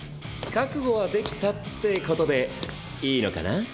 覚悟はできたってことでいいのかな？